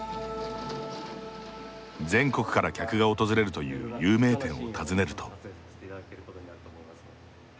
全国から客が訪れるという有名店を訪ねると。